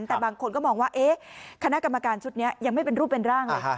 แต่บางคนก็มองว่าคณะกรรมการชุดนี้ยังไม่เป็นรูปเป็นร่างเลย